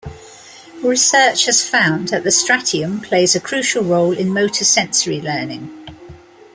Research has found that the stratium plays a crucial role in motor sensory learning.